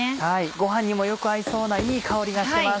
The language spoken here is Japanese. ご飯にもよく合いそうないい香りがしてます。